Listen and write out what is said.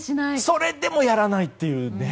それでもやらないというね。